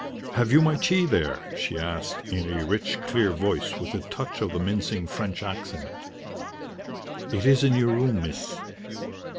"Have you my tea there?" she asked in a rich, clear voice, with a touch of the mincing French accent. "It is in your room, miss."